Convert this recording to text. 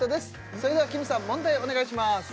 それではきむさん問題お願いします